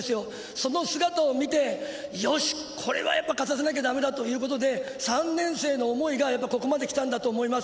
その姿を見て、よし、これは勝たせなきゃ駄目だということで３年生の思いがやっぱりここまで来たんだと思います。